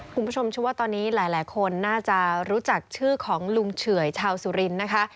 คุณผู้ชมชื่อว่าตอนนี้หลายคนน่าจะรู้จักชื่อของลุงเฉื่อยชาวสุรินทร์นะคะ